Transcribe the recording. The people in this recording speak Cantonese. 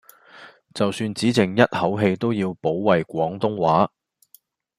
就算只剩一口氣都要保衛廣東話